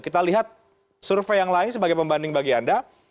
kita lihat survei yang lain sebagai pembanding bagi anda